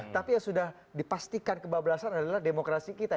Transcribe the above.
tapi yang sudah dipastikan kebablasan adalah demokrasi kita